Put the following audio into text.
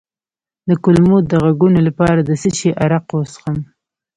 د کولمو د غږونو لپاره د څه شي عرق وڅښم؟